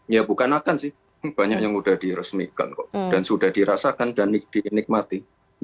ya bukan akan sih banyak yang udah diresmikan dan sudah dirasakan dan dinikmati ya nanti silakan aja main ke kota solo